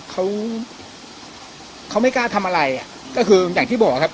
เขาเขาไม่กล้าทำอะไรอ่ะก็คืออย่างที่บอกครับ